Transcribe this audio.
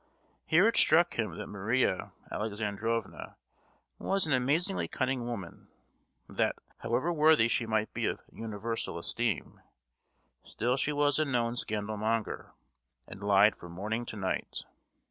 Here it struck him that Maria Alexandrovna was an amazingly cunning woman; that, however worthy she might be of universal esteem, still she was a known scandal monger, and lied from morning to night!